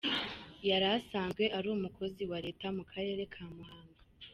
Yari asanzwe ari umukozi wa Leta mu Karere ka Muhanga.